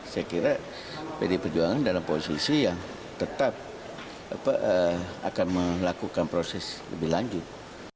saya kira pdi perjuangan dalam posisi yang tetap akan melakukan proses lebih lanjut